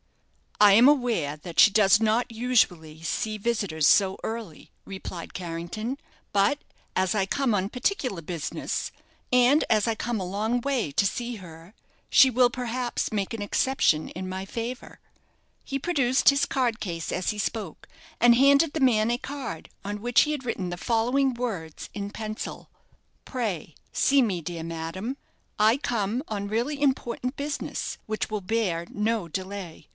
"I am aware that she does not usually see visitors so early," replied Carrington; "but as I come on particular business, and as I come a long way to see her, she will perhaps make an exception in my favour." He produced his card case as he spoke, and handed the man a card, on which he had written the following words in pencil: "_Pray see me, dear madame. I come on really important business, which will bear no delay.